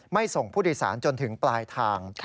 ส่งผู้โดยสารจนถึงปลายทาง